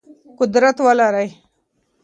قدرت ولرئ.